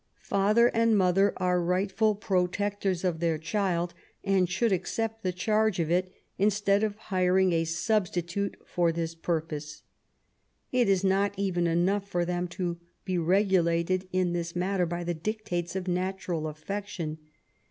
Father and mother are rightful protectors of their child, and should accept the charge of it, instead of hiring a substitute for this purpose. It is not even enough for them to be regulated in this matter by the dictates of natural affection.